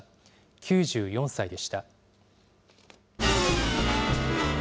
９４歳でした。